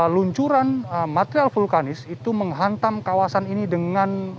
luncuran material vulkanis itu menghantam kawasan ini dengan